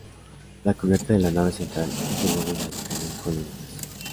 La cubierta de la nave central es de bóveda de cañón con lunetas.